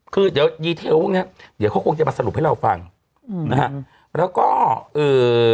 คือเดี๋ยวเนี่ยเดี๋ยวเขาคงจะมาสรุปให้เราฟังนะฮะแล้วก็เอ่อ